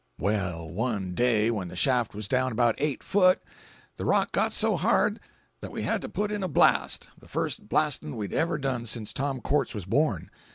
Well, one day when the shaft was down about eight foot, the rock got so hard that we had to put in a blast—the first blast'n' we'd ever done since Tom Quartz was born.